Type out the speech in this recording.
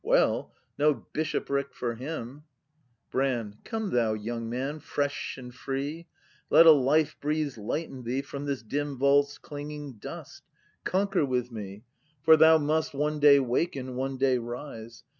] Well; no bishopric for him ! Brand. Come thou, young man — fresh and free — Let a life breeze lighten thee From this dim vault's clinging dust. Conquer with me! For thou must One day waken, one day rise.